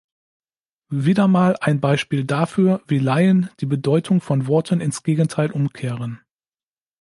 Wieder mal ein Beispiel dafür, wie Laien die Bedeutung von Worten ins Gegenteil umkehren.